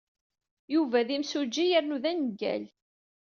Yuba d imsujji yernu d aneggal.